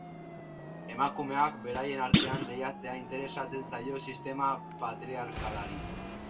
Emakumeak beraien artean lehiatzea interesatzen zaio sistema patriarkalari.